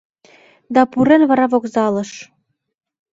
Да пурен вара вокзалыш